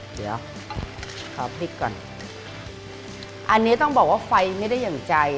เดี๋ยวขอพริกก่อนอันนี้ต้องบอกว่าไฟไม่ได้อย่างใจ